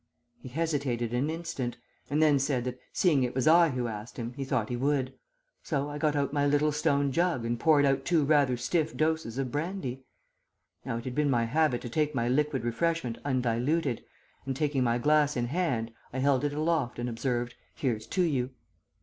He hesitated an instant, and then said that seeing it was I who asked him, he thought he would; so I got out my little stone jug and poured out two rather stiff doses of brandy. Now it had been my habit to take my liquid refreshment undiluted, and taking my glass in hand I held it aloft and observed, 'Here's to you.'